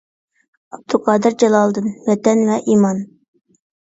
ئابدۇقادىر جالالىدىن: «ۋەتەن ۋە ئىمان»